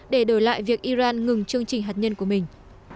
để đổi lại việc iran ngừng chương trình hạt nhân của mình